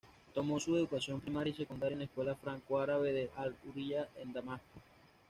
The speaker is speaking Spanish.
Tomó su educación primaria y secundaria en la Escuela Franco-Árabe de al-Hurriya, en Damasco.